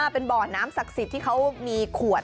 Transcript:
เป็นบ่อน้ำศักดิ์สิทธิ์ที่เขามีขวด